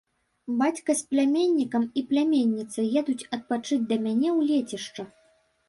Бацька з пляменнікам і пляменніцай едуць адпачыць да мяне ў лецішча.